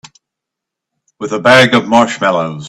With a bag of marshmallows.